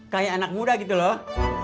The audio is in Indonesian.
kayak anak muda gitu loh